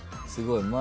すごい。